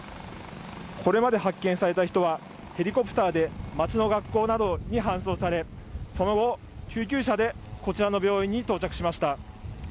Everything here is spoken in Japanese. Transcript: これまで発見された人はヘリコプターで町の学校などに搬送されその後、救急車でこちらの病院に到着しました。